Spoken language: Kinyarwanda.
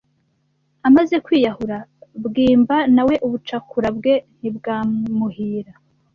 Amaze kwiyahura, Bwimba nawe ubucakura bwe ntibwamuhira